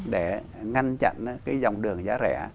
để ngăn chặn cái dòng đường giá rẻ